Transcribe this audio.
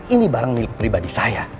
ini barang milik pribadi saya